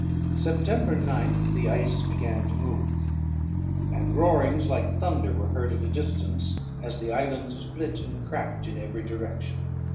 September 9th, the ice began to move, and roarings like thunder were heard at a distance, as the islands split and cracked in every direction.